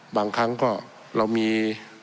บางครั้งก็เรามี